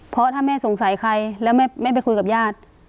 เพราะถ้าแม่สงสัยใครแล้วแม่ไปคุยกับญาติ